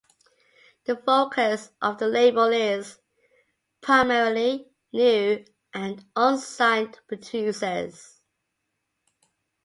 The focus of the label is primarily new and unsigned producers.